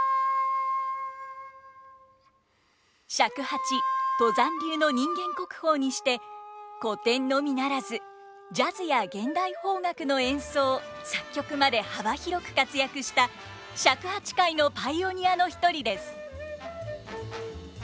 尺八都山流の人間国宝にして古典のみならずジャズや現代邦楽の演奏作曲まで幅広く活躍した尺八界のパイオニアの一人です。